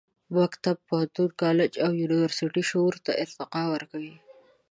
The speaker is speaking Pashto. مکتب، پوهنتون، کالج او یونیورسټي شعور ته ارتقا ورکوي.